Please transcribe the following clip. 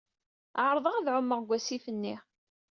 Ɛerḍeɣ ad ɛumeɣ deg wasif-nni.